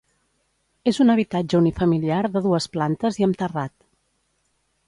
És un habitatge unifamiliar de dues plantes i amb terrat.